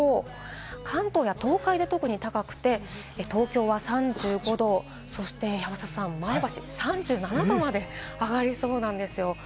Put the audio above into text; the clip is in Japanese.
関東や東海で特に高くて、東京は３５度、そして前橋３７度まで上がりそうなんです。